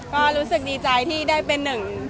ก็รู้สึกดีใจที่ได้เป็นหนึ่ง